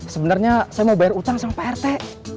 sebenernya saya mau bayar utang sama pak rete